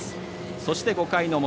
そして、５回の表。